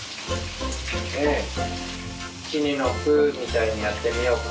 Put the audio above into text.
いちにのぷみたいにやってみようか。